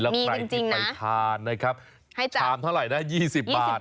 แล้วใครที่ไปทานนะครับชามเท่าไหร่นะ๒๐บาท